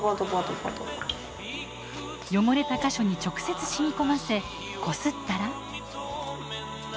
汚れた箇所に直接染み込ませこすったら。